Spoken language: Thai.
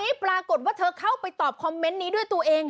นี่ปรากฏว่าเธอเข้าไปตอบคอมเมนต์นี้ด้วยตัวเอง